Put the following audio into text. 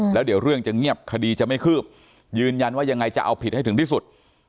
แล้วเดี๋ยวเรื่องจะเงียบคดีจะไม่คืบยืนยันว่ายังไงจะเอาผิดให้ถึงที่สุด